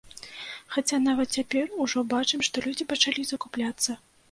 Хаця нават цяпер ужо бачым, што людзі пачалі закупляцца.